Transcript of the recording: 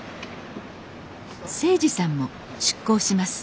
誠二さんも出港します。